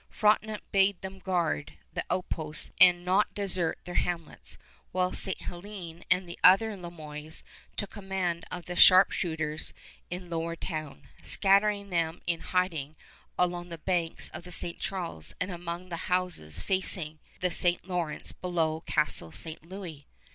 Frontenac bade them guard the outposts and not desert their hamlets, while Ste. Hélène and the other Le Moynes took command of the sharpshooters in Lower Town, scattering them in hiding along the banks of the St. Charles and among the houses facing the St. Lawrence below Castle St. Louis.